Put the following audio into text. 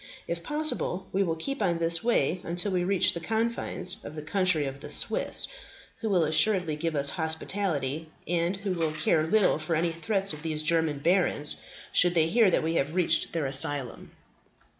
If possible, we will keep on this way until we reach the confines of the country of the Swiss, who will assuredly give us hospitality, and who will care little for any threats of these German barons, should they hear that we have reached their asylum."